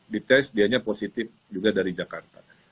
dites dianya positif juga dari jakarta